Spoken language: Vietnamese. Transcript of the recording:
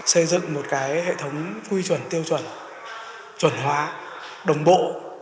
xây dựng một hệ thống quy chuẩn tiêu chuẩn chuẩn hóa đồng bộ